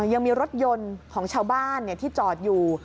ยังมีรถยนต์ของชาวบ้านที่จอดอยู่